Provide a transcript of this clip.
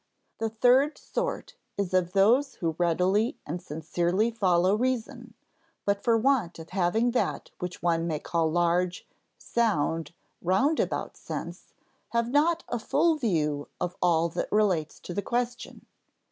"The third sort is of those who readily and sincerely follow reason, but for want of having that which one may call large, sound, roundabout sense, have not a full view of all that relates to the question....